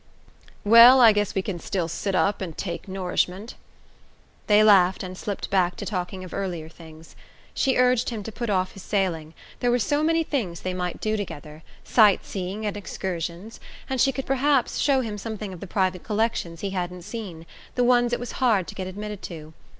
"Well, I guess we can still sit up and take nourishment." They laughed and slipped back to talking of earlier things. She urged him to put off his sailing there were so many things they might do together: sight seeing and excursions and she could perhaps show him some of the private collections he hadn't seen, the ones it was hard to get admitted to.